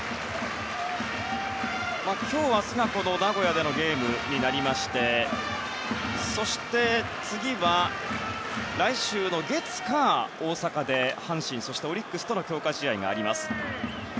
今日、明日が名古屋でのゲームになりまして次は来週の月火、大阪で阪神、そしてオリックスとの強化試合。